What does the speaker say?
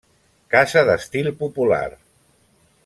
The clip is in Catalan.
Casa d'estil popular.